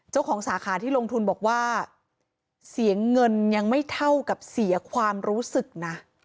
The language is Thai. สาขาที่ลงทุนบอกว่าเสียเงินยังไม่เท่ากับเสียความรู้สึกนะ